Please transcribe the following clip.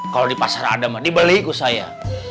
kalau di pasar ada mah dibeliin saya